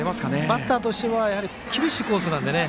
バッターとしては厳しいコースなんでね。